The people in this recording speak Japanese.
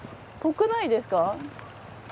ぽくないですか？